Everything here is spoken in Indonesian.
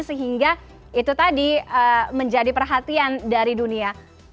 sehingga itu tadi menjadi perhatian dari dunia